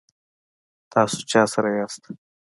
تاسو چا سره یاست؟